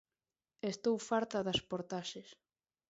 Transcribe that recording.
"Estou farta das portaxes".